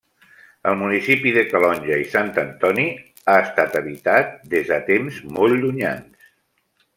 El municipi de Calonge i Sant Antoni ha estat habitat des de temps molt llunyans.